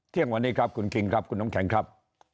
เที่ยงวันนี้ครับคุณคิงครับคุณน้ำแข็งครับ